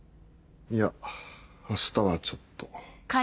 いや明日はちょっと。